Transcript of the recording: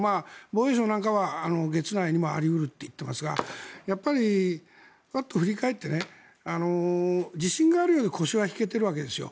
防衛省なんかは月内にもあり得ると言っていますがやっぱりパッと振り返って自信があるようで腰は引けてるわけですよ。